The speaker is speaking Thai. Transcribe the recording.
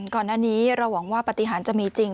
ก่อนหน้านี้เราหวังว่าปฏิหารจะมีจริง